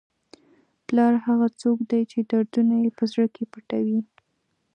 پلار هغه څوک دی چې دردونه په زړه کې پټوي.